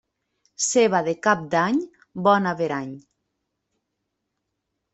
Ceba de cap d'any, bon averany.